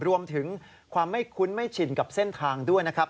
รวมถึงความไม่คุ้นไม่ชินกับเส้นทางด้วยนะครับ